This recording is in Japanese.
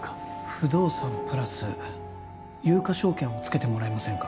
不動産プラス有価証券をつけてもらえませんか？